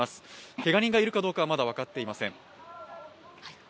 けが人がいるかどうかはまだ分かっていません。